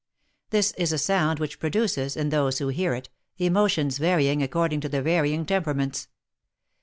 This is a sound which produces, in those who hear it, emotions varying according to their varying temperaments.